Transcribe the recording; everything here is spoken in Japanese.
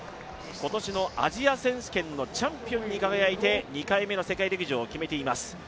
今年のアジア選手権のチャンピオンに輝いて２回目の世界陸上を決めています。